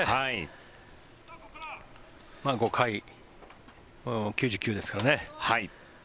５回、９０球ですからね。